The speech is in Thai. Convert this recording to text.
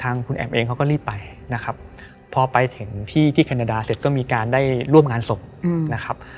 ทางคุณแอบเองเขาก็รีบไปนะครับ